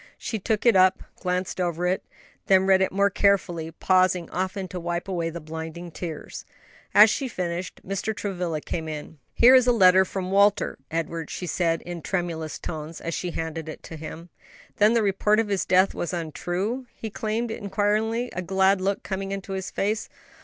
She took it up, glanced over it, then read it more carefully, pausing often to wipe away the blinding tears. As she finished, Mr. Travilla came in. "Here is a letter from Walter, Edward," she said, in tremulous tones, as she handed it to him. "Then the report of his death was untrue?" he exclaimed inquiringly, a glad look coming into his face.